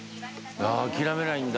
諦めないんだ。